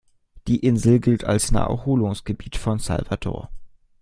Die Insel gilt als Naherholungsgebiet von Salvador.